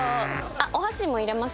あっお箸も入れますか？